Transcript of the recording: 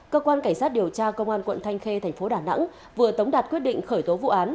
cơ quan cảnh sát điều tra công an quận thanh khê thành phố đà nẵng vừa tống đạt quyết định khởi tố vụ án